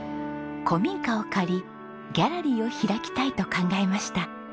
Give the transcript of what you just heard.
古民家を借りギャラリーを開きたいと考えました。